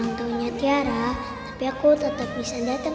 bahasanya nggakfiasan dari acquainted presenting an prayed betting